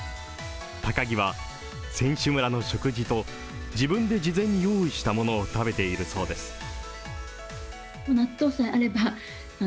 高木は選手村の食事と自分で事前に用意したものを食べているそうです。